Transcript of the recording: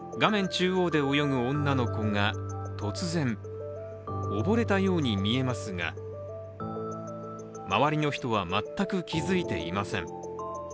中央で泳ぐ女の子が突然、溺れたように見えますが周りの人は全く気付いていません。